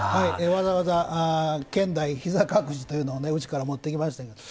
わざわざ見台ひざ隠しというのをうちから持ってきまして。